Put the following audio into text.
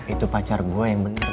itu pacar gue yang bener